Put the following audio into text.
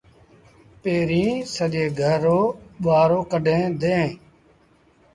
پيريٚݩ سڄي گھر رو ٻوهآرو ڪڍيٚن ديٚݩ ۔